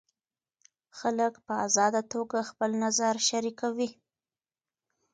خلک په ازاده توګه خپل نظر شریکوي.